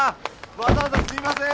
わざわざすいません。